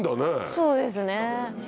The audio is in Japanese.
そうですね。